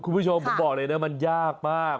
คุณผู้ชมผมบอกเลยนะมันยากมาก